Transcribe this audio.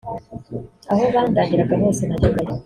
Aho bandangiraga hose najyagayo